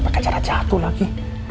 pakai cara jatuh lagi